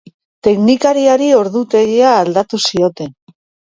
Teknikariari ordutegia aldatu zioten.